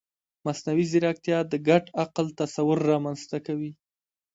مصنوعي ځیرکتیا د ګډ عقل تصور رامنځته کوي.